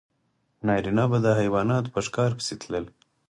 نارینه به د حیواناتو په ښکار پسې تلل.